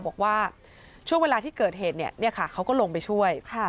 บอกว่าช่วงเวลาที่เกิดเหตุเขาก็ลงไปช่วย